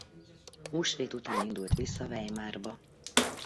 Húsvét után indult vissza Weimarba.